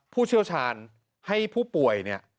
ผู้เชี่ยวชาญให้ผู้ป่วยเนี่ย